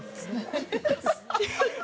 ハハハハ！